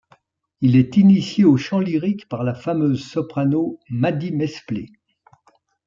Il est initié au chant lyrique par la fameuse soprano Mady Mesplé.